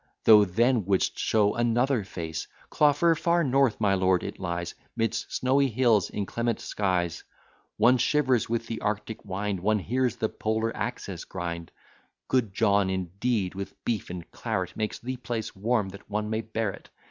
Thou then wouldst show another face. Clogher! far north, my lord, it lies, 'Midst snowy hills, inclement skies: One shivers with the arctic wind, One hears the polar axis grind. Good John indeed, with beef and claret, Makes the place warm, that one may bear it.